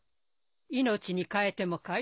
命に代えてもかい？